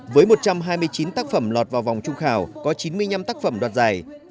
với một trăm hai mươi chín tác phẩm lọt vào vòng trung khảo có chín mươi năm tác phẩm đoạt giải